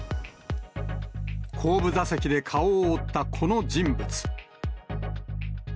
後部座席で顔を覆ったこの人物。